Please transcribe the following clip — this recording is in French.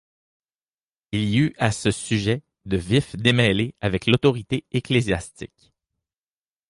Il eut à ce sujet de vifs démêlés avec l'autorité ecclésiastique.